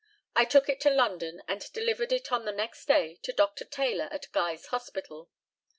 I took it to London, and delivered it on the next day to Dr. Taylor, at Guy's Hospital.